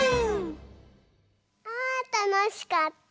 あたのしかった！